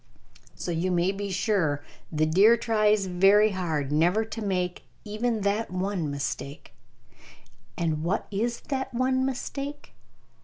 So, you may be sure, the deer tries very hard never to make even that one mistake. And what is that one mistake?